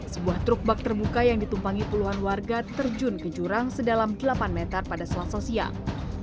sebuah truk bak terbuka yang ditumpangi puluhan warga terjun ke jurang sedalam delapan meter pada selasa siang